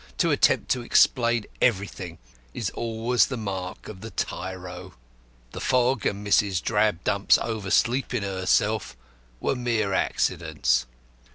To attempt to explain everything is always the mark of the tyro. The fog and Mrs. Drabdump's oversleeping herself were mere accidents.